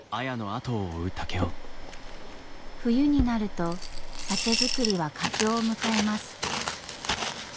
冬になると酒造りは佳境を迎えます。